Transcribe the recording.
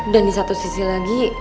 dan di satu sisi lagi